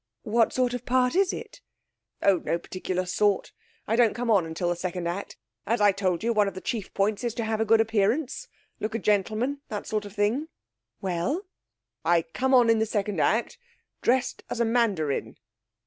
'What sort of part is it?' 'Oh, no particular sort. I don't come on until the second act. As I told you, one of the chief points is to have a good appearance look a gentleman; that sort of thing.' 'Well?' 'I come on in the second act, dressed as a mandarin.'